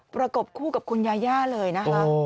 ประกบคู่กับคุณยาย่าเลยนะคะ